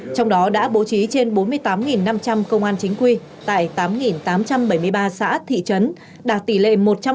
trong đó đã bố trí trên bốn mươi tám năm trăm linh công an chính quy tại tám tám trăm bảy mươi ba xã thị trấn đạt tỷ lệ một trăm linh